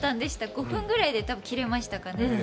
５分ぐらいで着れましたかね。